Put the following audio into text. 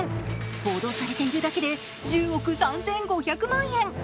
報道されているだけで１０億３５００万円。